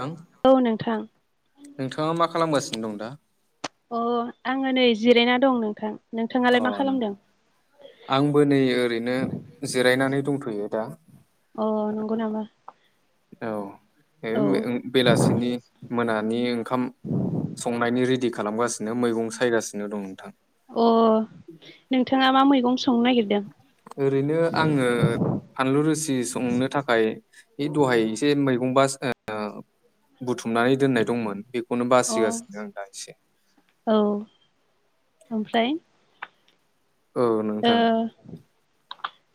थां औ नोंथां नोंथाङा मा खालामगासिनो दं दा अ आङो नै जिरायना दं नोंथां। नोंथाङालाय अ मा खालामदों नोंथां आंबो नै ओरैनो जिरायनानै दंथ'यो दा अ नंगौ नामा औ औ बेलासिनि मोनानि ओंखाम संनायनि रेडि खालामगासिनो बिनो मैगं सायगासिनो दं नोंथां अ नोंथाङा मा मैगं संनो नागिरदों ओरैनो आङो फानलु रोसि संनो थाखाय बे दहाय एसे मैगंबा बुथुमनानै दोननाय दंमोन बेखौनो अ बासिगासिनो आं दा एसे औ ओमफ्राय औ [unintelligible] नोंथां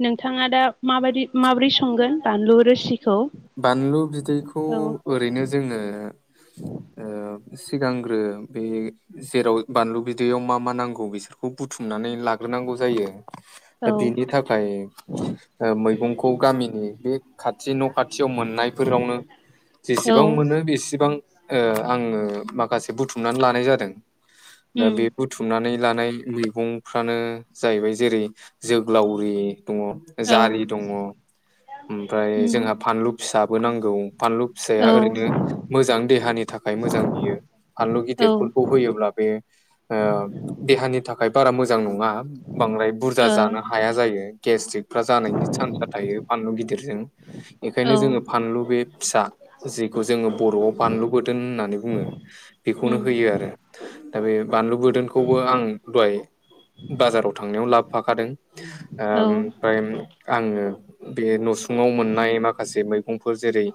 नोंथाङा दा माबायदि माबोरै संगोन बानलु रोसिखौ बानलु बिदैखौ औ ओरैनो जोंङो सिगांग्रो बे जेराव बानलु बिदैयाव मा मा नांगौ बिसोरखौ बुथुमनानै लारांगौ जायो दा औ बिनि थाखाय मैगंखौ गामिनि बे खाथि न खाथि खाथियाव मोननायफोरावनो औ जेसेबां मोनो बेसेबां आङो माखासे बुथुमनानै लानाय जादों दा उम बे बुम बुथुमनानै लानाय मैगंफ्रानो जाहैबाय जेरै जोग्लावरि दङ औ जारि दङ ओमफ्राय उम जोंहा फानलु फिसाबो नांगौ फानलु फिसाया औ ओरैनो मोजां देहानि थाखाय मोजां बियो फानलु औ ओ गिदिरफोरखौ होयोब्ला बे देहानि थाखाय बारा मोजां नङा बांद्राय बुरजा जानो हाया जायो गेस्ट्रिकफ्रा जानायनि चान्स थायो फानलु गिदिरजों औ बेखायनो जोङो फानलु बे फिसा जेखौ जोङो बर'आव बानलुबोदोंोन होननानै बुङो बेखौनो उम होयो आरो दा बे बानलु बोरदोनखौबो आं दहाय बाजाराव थांनायाव लाबोफाखादों औ ओमफ्राय आङो बे नसुंङाव मोननाय मा माखासे मैगंफोर जेरै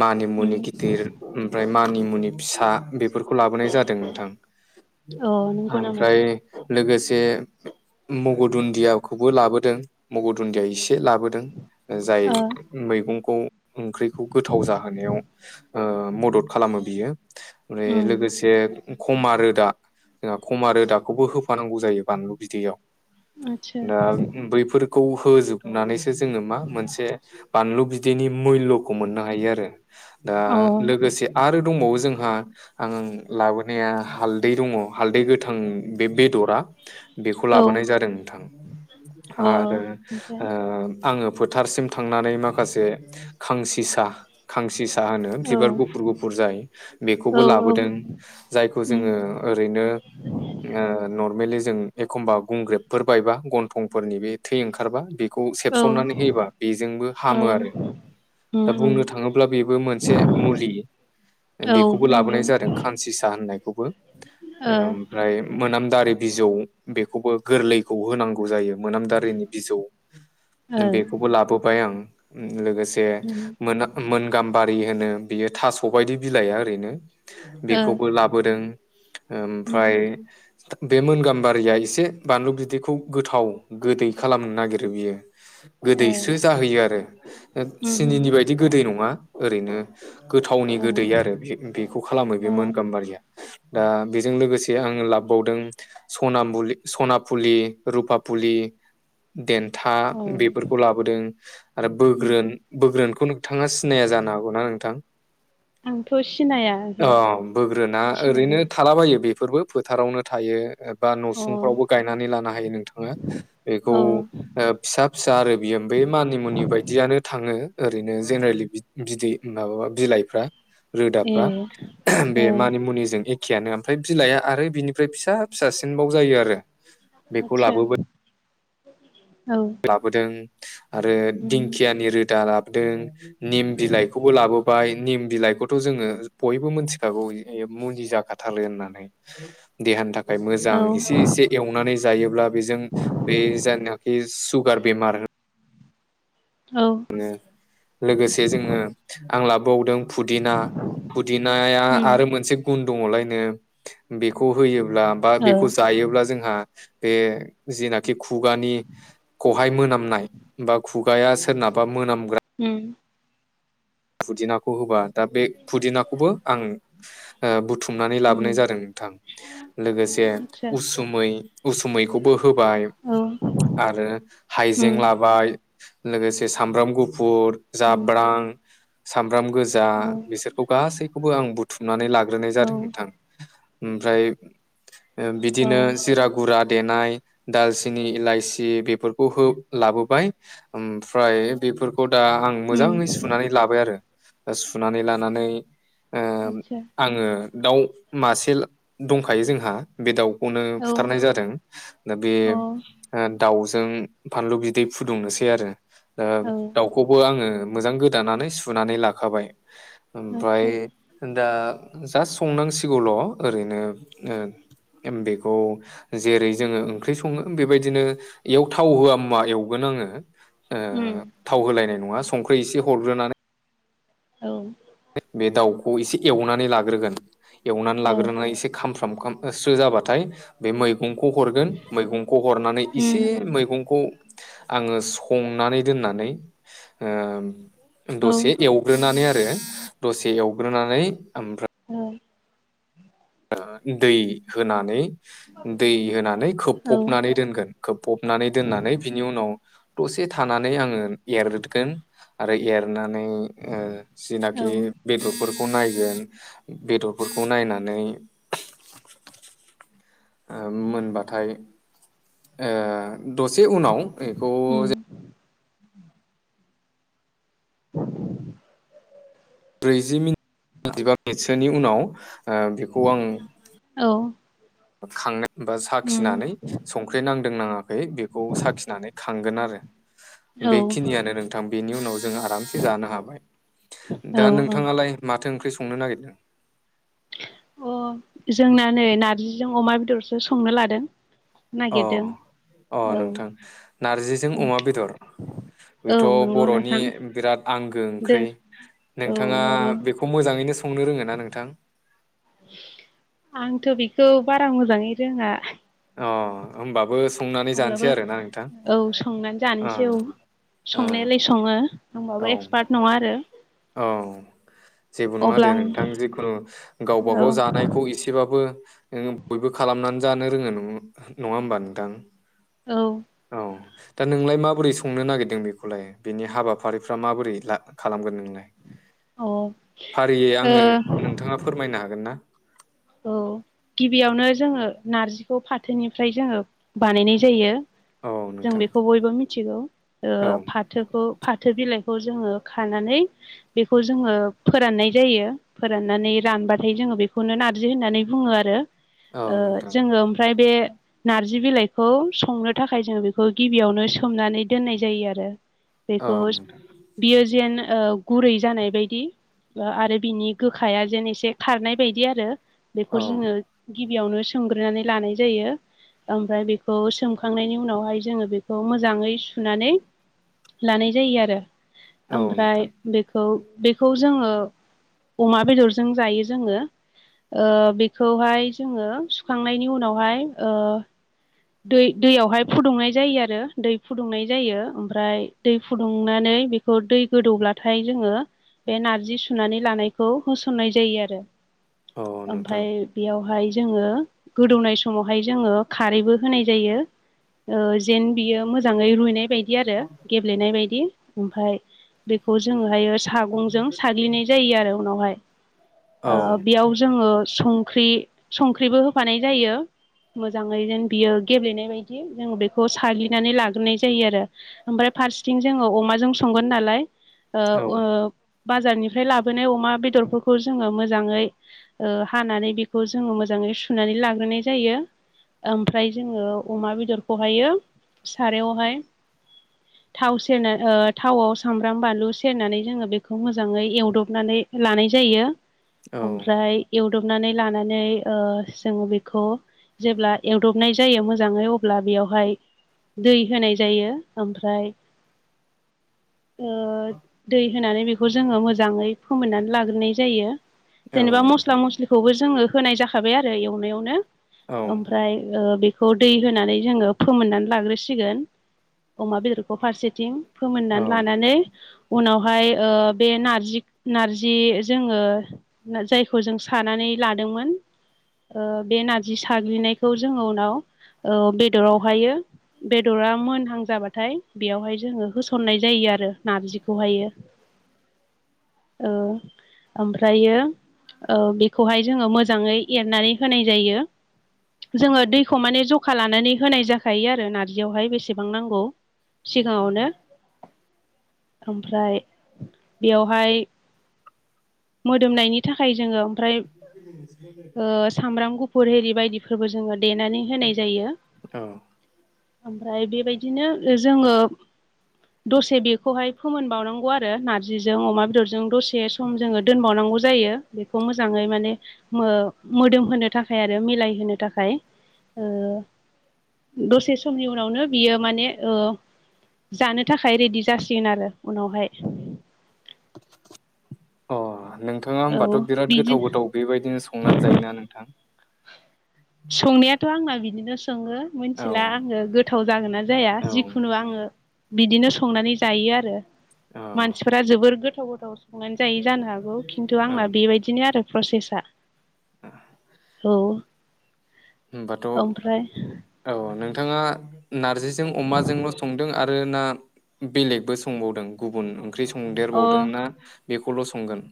मानि उम मुनि गिदिर ओमफ्राय मानिमुनि फिसा बेफोरखौ लाबोनाय जादों नोंथां अ नंगौ नामा ओमफ्राय लोगोसे मग' दुन्दियाखौबो लाबोदों मग' दुन्दिया इसे ए लाबोदों जाय ओ मैगंखौ ओंख्रिखौ गोथाव जाहोनायाव मदद खालामो बियो माने उम लोगोसे खमा रोदा जोंहा खमा रोदाखौबो होफानांगौ जायो बानलु बिदैयाव आतसा दा बैफोरखौ होजोबनानैसो जोङो मा मोनसे बानलु बिदैनि मुल्य मोननो हायो आरो दा अ लोगोसे आरो दंबावो जोंहा आं लाबोनाया हालदै दङ हालदै गोथां बे बेदरा बेखौ औ लाबोनाय जादों नोंथां अ आरो ओमफ्राय आ आङो फोथारसिम थांनानै माखासे खांसिसा खांसि साहा होनो औ बिबार गुफुर गुफुर जाय औ बेखौबो लाबोदों जायखौ उम जोङो ओरैनो ओ नर्मेलि जों एखमबा गुंग्रेबफोर बायबा गन्थंफोरनि बे थै ओंखारबा बे- -खौ औ सेबसननानै होयोबा बेजोंबो औ हामो आरो उम दा उम बुंनो थाङोब्ला बेबो मोनसे मुलि औ बेखौबो नंगौ लाबोनाय जादों खानसिंसा होननायखौबो। ओ ओमफ्राय मोनामदारि बिजौ बेखौबो गोरलैखौ होनांगौ जायो मोनामदारिनि बिजौ ओ बेखौबो लाबोबाय आं लोगोसे जे उम मोना मोन गाम्बारि होनो बियो थास‌'बायदि बिलाइया ओरैनो ओ बेखौबो लाबोदों उम ओमफ्राय बे मोन गाम्बारिया एसे बानलु बिदैखौ गोथाव गोदै खालामनो नागिरो बियो। ए गोदैस्रो जाहैयो आरो उम उम सिनिनि बायदि गोदै नङा। ओरैनो गोथावनि गोदै आरो बेखौ खालामो बे औ अ मोन गाम्बारिया दा बेजों लोगोसे आं लाबावदों। सनामुलि सनाफुलि रुपाफुलि देन- -था औ बेफोरखौ लाबोदों आरो उम बोग्रोन बो- -ग्रोनखौ नोंथाङा सिनाया जानो हागौना नोंथां। आंथ' सिनाया ओहो अ बोग्रोना ओरैनो सिनायगोन थालाबायो बेफोरबो फोथारावनो थायो बा नसुंफ्रावबो अ गायनानै लानो हायो नोंथाङा बेखौ अ फिसा फिसा आरो बियो बे मानिमुनि बायदियानो थाङो ओरैनो जेनेरेलि बिदै माबाबा बिलाइफ्रा ए रोदाफ्रा बे ओ मानि मुनिजों ए- -खेयानो ओमफ्राय बिलाइआ आरो बिनिफ्राय फिसा फिसासिनबाव जायो आरो बेखौ आथसा लाबोबाय औ लाबोदों आरो उम दिंखियानि रोदा लाबोदों निम बिलाइखौबो लाबोबाय निम बिलाइखौथ‌‌' जोङो बयबो मोनथिखागौ मुलि जाखा- -थालो होननानै। देहानि थाखाय मोजां औ एसे एसे एवनानै जायोब्ला बेजों बे जायनाखि सुगार बेमार औ लोगोसे जोङो आं लाबावदों फुदिना फुदिनाया उम आरो मोनसे गुन दङलायनो बेखौ होयोब्ला बा ओ बेखौ जायोब्ला जोंहा बे जेनाखि खुगानि खौहाय मोनामनाय बा खुगाया सोरनाबा बा मोनामग्रा उम फुदिनाखौ होबा दा बे फुदिनाखौबो आं ओ बुथुमनानै उम लाबोनाय जादों नोंथां। लोगोसे आतसा उसुमै उसुमैखौबो होबाय। औ आरो उम हाइजें लाबाय। लोगोसे सामब्राम गुफुर उम जाब्रां सामब्राम गोजा औ बिसोरखौ गासैखौबो आं बुथुमनानै लाग्रोनाय जादों औ नोंथां। ओमफ्राय औ बिदिनो जिरा गुरा देनाय दालचिनि इलाइसि बेफोरखौ हो लाबोबाय ओमफ्राय बेफोर खौ दा आं मोजाङै उम सुनानै लाबाय आरो दा सुनानै लानानै ओ आतसा आङो दाउ मासे दंखायो जोंहा बे दाउ -खौनो औ बुथारनाय जादों दा बे अ दाउजों फानलु बिदै फुदुंनोसै आरो दा औ दाउखौबो आङो मोजां गोद दानानै सुनानै लाखाबाय ओमफ्राय आतसा दा जास्ट संनांसिगौल'ओरैनो नो ओम बेखौ जेरै जोङो ओंख्रि सङो बेबायदिनो एयाव थाव होआ मुवा एवगोन आङो। ओ उम थाव होलायनाय नङा संख्रि एसे हरग्रोनानै। औ बे बे दाउखौ एसे एवनानै लाग्रोगोन एवनानै औ लाग्रोनानै एसे खामफ्राम खामस्रो जाबाथाय बे मैगंखौ हरगोन मैगंखौ हरनानै एसे उम मैगंखौ आङो संनानै दोननानै ओ औ दसे एवग्रोनानै आरो दसे एवग्रोनानै ओमफ्राय औ आ दै होनानै दै होनानै औ खोबफबनानै दोनगोन। खोबफबनानै दोननानै बिनि उनाव। दसे थानानै आङो एरगोन आरो एरनानै ओ औ जिनाखि बेदरफोरखौ नायगोन बेदरफोरखौ नायनानै। ओ मोनबाथाय ओ दसे उनाव बेखौ उम जों। [inaudible] ब्रैजि मिनित जिबा मिनिटसोनि उनाव आह बेखौ आं औ खांनाय बा उम साखिनानै संख्रि नां। दोंनाङाखै बेखौ साखिनानै खांगोन आरो औ औ बेखिनियानो नोंथां बेनि उनाव जों जों आरामसे जानो हाबाय दा औ नोंथाङालाय माथो ओंख्रि संनो नागिरदों। अ जोंना नै नारजिजों अमा बेदरसो संनो लादों अ नागिरदों अ औ नोंथां नारजिजों अमा बेदर। औ बेथ' नंगौ बर'नि नोंथां बिराद आंगो दो ओंख्रि औ नोंथाङा नंगौ बेखौ खौ मोजाङैनो संनो रोंगोना नोंथां। आंथ' बेखौ बारा मोजाङै रोङा अ होमबाबो संनानै जानोसै अब्लाबो आरोना नोंथां औ संनानै अ जानोसै औ संनायालाय सङो ओमबाबो एक्सपार्ट नङा आरो औ जेबो नङा अब्ला दे आं नोंथां जिखुनु गावबा औ गाव जानाय खौ एसेबाबो ओम बयबो खालामनानै जानो रोङो नं नङा ओमबा नोंथां। औ औ दा नोंलाय माबोरै संनो नागिरदों बेखौलाय बेनि हाबाफारिफ्रा माबोरै ला खालामगोन नोंलाय। औ फारियै आंनो नोंथाङा फोरमायनो हागोन ना औ गिबियावनो जोङो नारजिखौ फाथोनिफ्राय जोङो बानायनाय जायो। औ जों नोंथां बेखौ बयबो मिथिगौ ओ औ फाथ फाथोखौ फाथो बिलाइखौ जोङो खानानै। बेखौ जोङो फोराननाय जायो फोराननानै रानबाथाय जोङो बेखौनो नार। जि होननानै बुङो आरो औ नोंथां जोङो ओमफ्राय बे नार्जि बिलाइखौ संनो थाखाय जोङो बेखौ गिबियावनो सोमनानै दोननाय जायो आरो। [inaudible] बेखौ नोंथां बियो जेन ओ गुरै जानाय बायदि। ओ आरो बिनि गोखाया जेन एसे खारनाय बायदि आरो औ बेखौ जोङो। गिबियावनो सोंमग्रोनानै लानाय जायो। ओमफ्राय बेखौ सोमखांनायनि उनावहाय जोङो बेखौ मोजाङै सुनानै। लानाय जायो आरो औ ओमफ्राय नोंथां बेखौ बेखौ जोङो अमा बेदरजों जायो जोङो ओ बेखौहाय जोङो सुखांनायनि उनावहाय ओ दै-दैयावहाय फुदुंनाय जायो आरो दै फुदुंनाय जायो ओमफ्राय दै फुदुंनानै बे खौ दै गोदौब्लाथाय जोङो बे नारजि सुनानै लानायखौ होसननाय जायो आरो औ नोंथां ओमफ्राय बेयावहाय जोङो गोदौनाय समावहाय जोङो खारैबो होनाय जायो ओ जेन बियो मोजांङै रुयनाय बायदि आरो गेब ब्लेनाय बायदि ओमफ्राय बेखौ जोंहायो सागंजों साग्लिनाय जायो आरो उनावहाय औ ओ बेयाव जोङो सं ख्रि संख्रिबो होफानाय जायो मोजाङै जेन। बियो गेब्लेनाय बायदि जों बेखौ साग्लिनानै लाग्रोनाय जायो आरो ओमफ्राय फारसेथिं जोङो अमाजों संगोन नालाय औ ओ-ओ बाजारनिफ्राय लाबोनाय अमा बेदरफोरखौ जोङो मोजाङै ओ हानानै बेखौ जोङो मोजाङै सुनानै लाग्रोनाय जायो ओम ओमफ्राय जोङो अमा बेदरखौहायो सारायावहाय [inaudible] थाव सेरना ओ थावआव सामब्राम बानलु सेरनानै जोङो बेखौ मोजाङै एवदबनानै लानाय जायो औ ओमफ्राय एवदबनानै लानानै ओ जोङो बेखौ जेब्ला ए दबनाय जायो मोजाङै अब्ला बेयावहाय दै होनाय जायो ओमफ्राय [inaudible] ओ दै होनानै बेखौ जोङो मोजाङै फोमोननानै लाग्रोनाय जायो औ जेनेबा मस्ला नोंथां मस्लिखौबो जोङो होनाय जाखाबाय आरो एवनायावनो औ ओमफ्राय ओ बेखौ दै होनानै जोङो फोमोननानै लाग्रोसिगोन अमा बेदरखौ फारसेथिं औ फोमोननानै लानानै उनावहाय ओ बे नारजि-नारजि जोङो जायखौ जों सानानै लादोंमोन बे ओ नारजि साग्लिनाय खौ जोङो उनाव बेदरावहायो बेदरा मोनहां जाबाथाय बेयावहाय जोङो होसननाय जायो आरो नारजिखौहायो [inaudible] ओ ओमफ्रायो ओ बेखौहाय जोङो मोजाङै एरनानै होनाय जायो जोङो दैखौ माने जखा लानानै होनाय जाखायो आरो नारजियावहाय बेसेबां नांगौ सिगाङावनो ओमफ्राय बेयावहाय मोदोमनायनि थाखाय जोङो ओमफ्राय ओ सामब्राम गुफुर हेरि बायदिफोरबो जोङो देनानै होनाय जायो ओमफ्राय बेबायदिनो जोङो दसे बेखौहाय फोमोन बावनांगौ आरो नारजिजों अमा बेदरजों द से सम जोङो दोनबावनांगौ जायो बेखौ मोजाङै माने मो-मोदोम होनो थाखाय आरो मिलायहोनो थाखाय ओ ओ दसे समनि उनावनो बियो माने ओ जानो थाखाय रेडि जासिगोन आरो उनावहाय अ नोंथाङा औ होमबाथ' बिराद बिदि गोथाव-गोथाव बेबायदिनो संनानै जायोना नोंथां संनायाथ' आंना बिदिनो सङो औ मोनथिला आङो गोथाव जागोन ना जाया औ जिखुनु आङो बिदिनो संनानै जायो आरो औ मानसिफोरा जोबोर गोथाव-गोथाव सं नानै जायै जानो हागौ खिन्थु औ आंना बेबायदिनो आरो प्रसेसा औ होमबाथ' ओमफ्राय औ नोंथाङा नारजिजों अमाजोंल' संदों आरो ना बेलेगबो संबावदों गुबुन ओंख्रि अ संदेरबावदों ना बेखौल' संगोन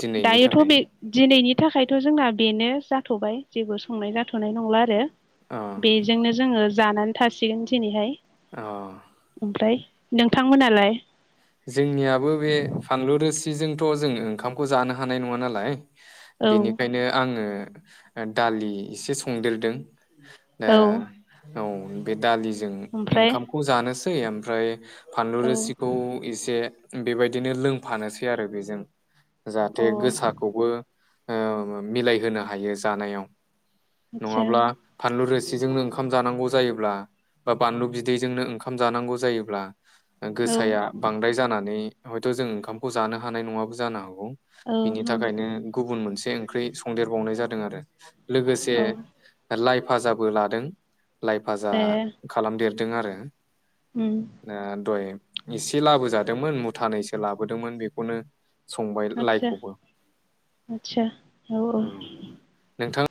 दिनैनि दियोथ' थाखाय बे दिनैनि थाखायथ' जोंना बेनो जाथ'बाय जेबो संनाय जाथ'नाय नंला आरो अ। बेजोंनो जोङो जानानै थासिगोन दिनैहाय अ ओमफ्राय नोंथांमोनालाय? जोंनियाबो बे फानलु रोसिजोंथ' जों ओंखामखौ जानो हानाय नङा नालाय औ बेनिखायनो आङो दालि एसे संदेरदों दा औ औ बे दालिजों ओमफ्राय ओंखामखौ जानोसै ओमफ्राय फानलु औ रोसिखौ एसे बेबायदिनो लोंफानोसै आरो बेजों जाहाथे अ गोसाखौबो ओ मिलायहोनो हायो जानायाव आतसा नङाब्ला फानलु रोसिजोंनो ओंखाम जानांगौ जायोब्ला बा बानलु बिदैजोंनो ओंखाम जानांगौ जायोब्ला औ गोसाया बांद्राय जानानै हयथ' जों ओंखामखौ जानो हानाय नङाबो जानो हागौ। बिनि औ थाखायनो गुबुन मोनसे ओंख्रि संदेरबावनाय जादों आरो लोगोसे औ लाइ भाजाबो लादों लाइ भाजा ए खालामदेरदों आरो। ओम। ओ दहय एसे लाबोजादोंमोन मुथानैसो लाबोदोंमोन बेखौनो संबाय आतसा लाइखौबो आतसा औ औ। उम नोंथां